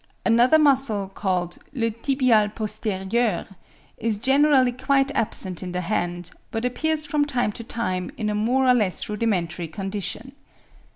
Another muscle, called "le tibial posterieur," is generally quite absent in the hand, but appears from time to time in a more or less rudimentary condition.)